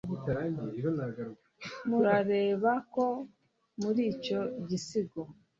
murareba ko muri icyo gisigo,